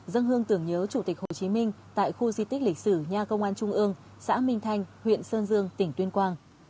dâng hương tưởng nhớ chủ tịch hồ chí minh tại khu di tích lịch sử nhà công an trung ương xã minh thanh huyện sơn dương tỉnh tuyên quang